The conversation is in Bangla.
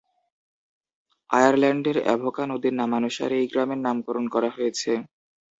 আয়ারল্যান্ডের অ্যাভোকা নদীর নামানুসারে এই গ্রামের নামকরণ করা হয়েছে।